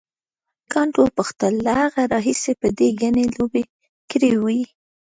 کانت وپوښتل له هغه راهیسې به دې ګڼې لوبې کړې وي.